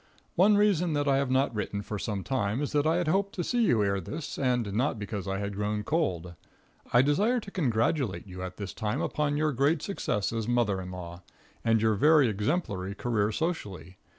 One reason that I have not written for some time is that I had hoped to see you ere this, and not because I had grown cold. I desire to congratulate you at this time upon your great success as a mother in law, and your very exemplary career socially.